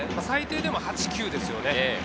最低でも８・９ですね。